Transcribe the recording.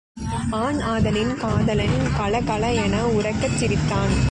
ஆண் ஆதலின் காதலன் கல கல என உரக்கச் சிரித்தான்.